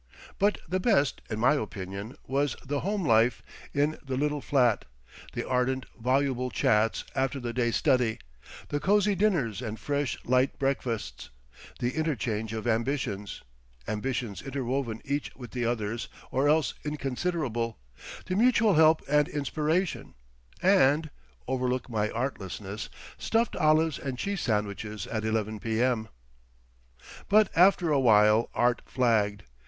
But the best, in my opinion, was the home life in the little flat—the ardent, voluble chats after the day's study; the cozy dinners and fresh, light breakfasts; the interchange of ambitions—ambitions interwoven each with the other's or else inconsiderable—the mutual help and inspiration; and—overlook my artlessness—stuffed olives and cheese sandwiches at 11 p.m. But after a while Art flagged.